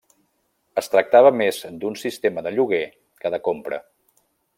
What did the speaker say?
Es tractava més d'un sistema de lloguer que de compra.